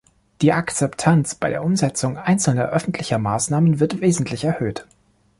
Die Akzeptanz bei der Umsetzung einzelner öffentlicher Maßnahmen wird wesentlich erhöht.